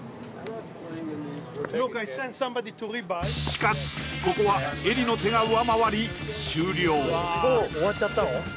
しかしここはエリの手が上回り終了